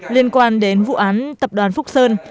liên quan đến vụ án tập đoàn phúc sơn